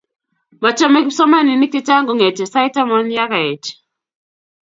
Machomei kipsomaninik che chang' kong'etio sait taman ya kaech